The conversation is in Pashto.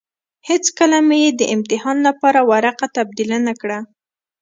هېڅکله مې يې د امتحان لپاره ورقه تبديله نه کړه.